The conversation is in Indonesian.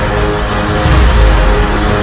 kau tak bisa menyembuhkan